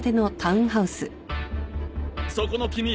・そこの君。